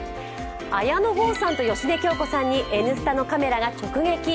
綾野剛さんと芳根京子さんに「Ｎスタ」のカメラが直撃。